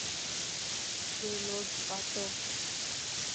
يو لوڊ ڦاتوَ